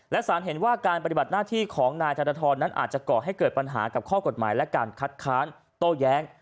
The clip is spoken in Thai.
และสารเห็นว่าการปฏิบัติหน้าที่ของนายธนทรนั้นอาจจะก่อให้เกิดปัญหากับข้อกฎหมายและการคัดค้านโต้แย้ง